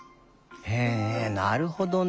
へえなるほどね。